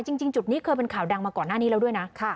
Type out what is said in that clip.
จริงจุดนี้เคยเป็นข่าวดังมาก่อนหน้านี้แล้วด้วยนะ